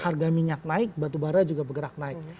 ya karena perusahaan yang naik batubara juga bergerak naik